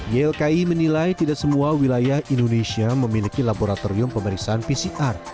ylki menilai tidak semua wilayah indonesia memiliki laboratorium pemeriksaan pcr